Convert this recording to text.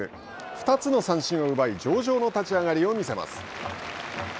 ２つの三振を奪い上々の立ち上がりを見せます。